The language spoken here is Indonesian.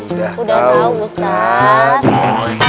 udah tau ustad